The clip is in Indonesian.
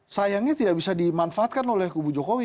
sayangnya tidak bisa dimanfaatkan oleh kubu jokowi